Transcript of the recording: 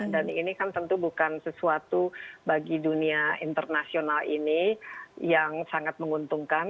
dan ini kan tentu bukan sesuatu bagi dunia internasional ini yang sangat menguntungkan